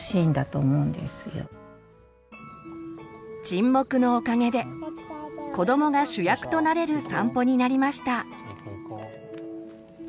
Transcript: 沈黙のおかげで子どもが主役となれる散歩になりました。